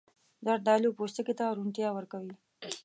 زردالو پوستکي ته روڼتیا ورکوي.